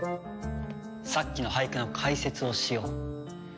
さっきの俳句の解説をしよう。